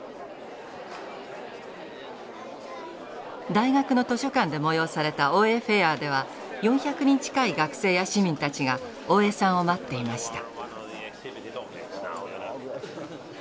大学の図書館で催された大江フェアでは４００人近い学生や市民たちが大江さんを待っていました。